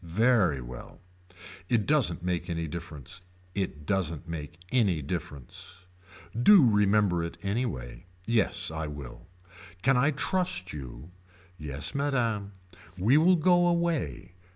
Very well. It doesn't make any difference. It doesn't make any difference. Do remember it any way. Yes I will. Can I trust you. Yes Madame. We will go away.